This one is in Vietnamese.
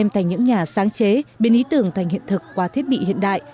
thành những nhà sáng chế biến ý tưởng thành hiện thực qua thiết bị hiện đại